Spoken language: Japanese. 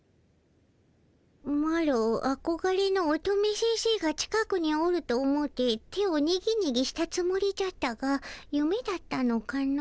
マロあこがれの乙女先生が近くにおると思うて手をニギニギしたつもりじゃったがゆめだったのかの？